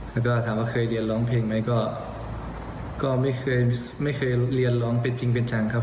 แล้วก็ถามว่าเคยเรียนร้องเพลงไหมก็ไม่เคยไม่เคยเรียนร้องเป็นจริงเป็นจังครับ